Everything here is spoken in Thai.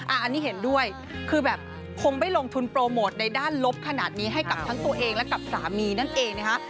อันนี้เห็นด้วยคือแบบคงไม่ลงทุนโปรโมทในด้านลบขนาดนี้ให้กับทั้งตัวเองและกับสามีนั่นเองนะคะ